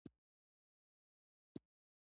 په صحراوو کې مالګه پیدا کېږي.